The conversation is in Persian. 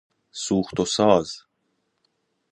سوخت و ساز